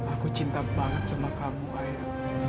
aku cinta banget sama kamu ayah